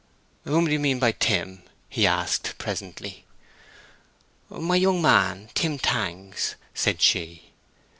"Whom do you mean by Tim?" he asked, presently. "My young man, Tim Tangs," said she.